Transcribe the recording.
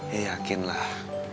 ya yakin lah